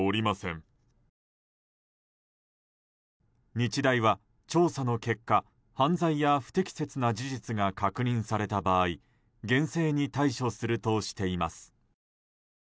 日大は、調査の結果犯罪や不適切な事実が確認された場合厳正に対処するとしています。